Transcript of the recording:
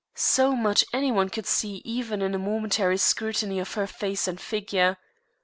So much any one could see even in a momentary scrutiny of her face and figure.